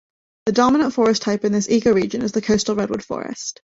The dominant forest type in this ecoregion is the coastal redwood forest.